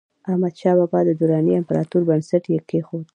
احمدشاه بابا د دراني امپراتورۍ بنسټ یې کېښود.